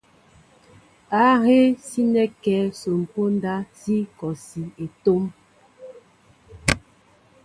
Ahéé sínέ kɛέ son póndá nzi kɔsi é tóóm ?